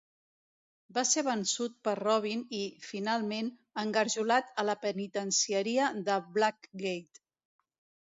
Va ser vençut per Robin i, finalment, engarjolat a la Penitencieria de Blackgate.